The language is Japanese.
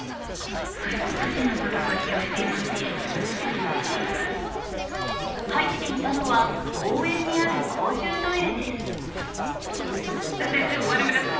外国人の方が利用しています入っていたのは、公園にある公衆トイレです。